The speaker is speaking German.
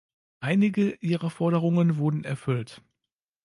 Einige ihrer Forderungen wurden erfüllt.